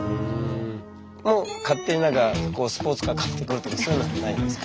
もう勝手にスポーツカー買ってくるとかそういうのはないんですか？